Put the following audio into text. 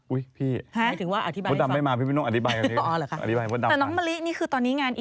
อุ้ยพี่ผู้ดำไม่มาพี่เป๊นนกอธิบายตอนนี้